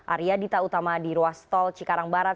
arya dita utama di ruas tol cikarang barat